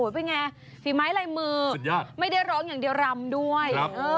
เป็นไงฝีไม้ลายมือไม่ได้ร้องอย่างเดียวรำด้วย